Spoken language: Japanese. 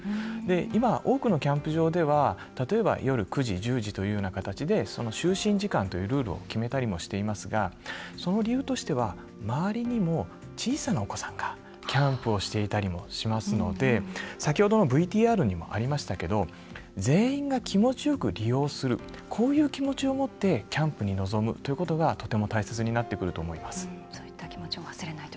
今、多くのキャンプ場では例えば、夜９時１０時という形で就寝時間というルールを決めたりもしていますがその理由としては周りにも小さなお子さんがキャンプをしていたりしますので先ほどのＶＴＲにもありましたけど全員が気持ちよく利用するこういう気持ちを持ってキャンプに臨むということがとても大切になってくると思います。